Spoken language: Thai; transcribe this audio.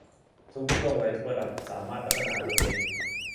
ทุกช่วงวัยทุกระดับสามารถพัฒนาตนเอง